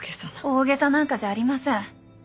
大げさなんかじゃありません。